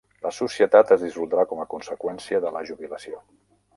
La societat es dissoldrà com a conseqüència de la jubilació.